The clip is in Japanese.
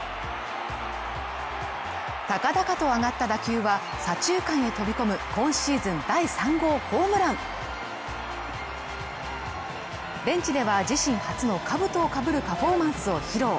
高々と上がった打球は左中間へ飛び込む今シーズン第３号ホームランベンチでは自身初のかぶとをかぶるパフォーマンスを披露。